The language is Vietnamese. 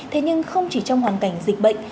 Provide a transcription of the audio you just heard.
thế nhưng không chỉ trong hoàn cảnh dịch bệnh